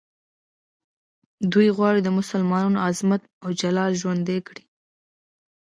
دوی غواړي د مسلمانانو عظمت او جلال ژوندی کړي.